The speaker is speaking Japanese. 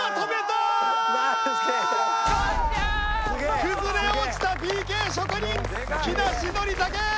崩れ落ちたＰＫ職人木梨憲武！